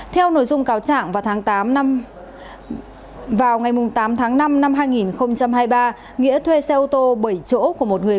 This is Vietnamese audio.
theo nội dung cáo trạng vào ngày tám tháng năm năm hai nghìn hai mươi ba nghĩa thuê xe ô tô bảy chỗ của một người